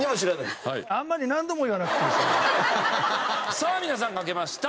さあ皆さん書けました。